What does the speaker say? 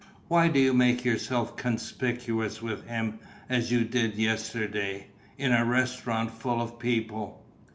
Why do you make yourself conspicuous with him, as you did yesterday, in a restaurant full of people?"